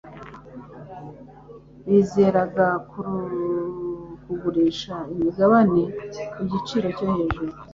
Bizeraga kugurisha imigabane ku giciro cyo hejuru.